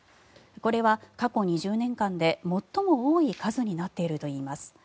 これは過去２０年間で最も多い数になっているといいます。